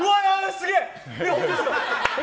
すげえ！